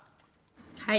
はい。